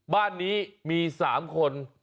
บ้านนี้มีสามคน